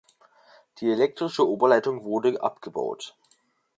Die elektrische Oberleitung wurde abgebaut.